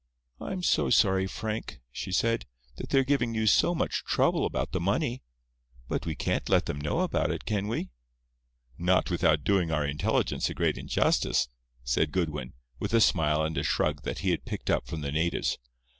"I am so sorry, Frank," she said, "that they are giving you so much trouble about the money. But we can't let them know about it, can we?" "Not without doing our intelligence a great injustice," said Goodwin, with a smile and a shrug that he had picked up from the natives.